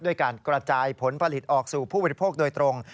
ด้วยการกระจายผลผลิตออกสู่ผู้วิทยุโภคโดยตรง